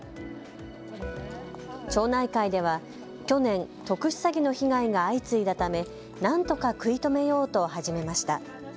町内会では去年、特殊詐欺の被害が相次いだため、なんとか食い止めようと始めました。